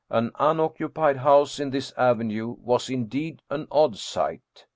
An unoccupied house in this avenue was indeed an odd sight.